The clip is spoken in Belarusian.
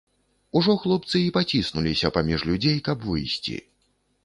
Ужо хлопцы й паціснуліся паміж людзей каб выйсці.